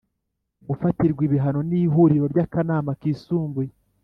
gufatirwa ibihano n’Ihuriro ryakanama kisumbuye